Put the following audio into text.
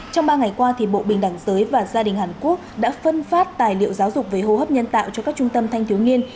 trong ba ngày qua bộ bình đẳng giới và gia đình hàn quốc đã phân phát tài liệu giáo dục về hô hấp nhân tạo cho các trung tâm thanh thiếu niên